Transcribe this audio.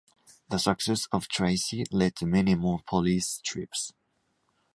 The success of "Tracy" led to many more police strips.